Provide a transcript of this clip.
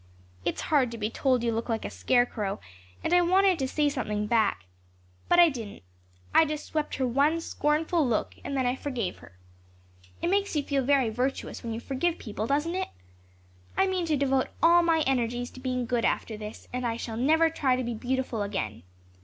It's hard to be told you look like a scarecrow and I wanted to say something back. But I didn't. I just swept her one scornful look and then I forgave her. It makes you feel very virtuous when you forgive people, doesn't it? I mean to devote all my energies to being good after this and I shall never try to be beautiful again.